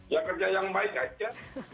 ya kerja yang baik aja